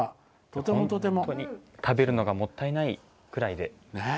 食べるのがもったいないぐらいで。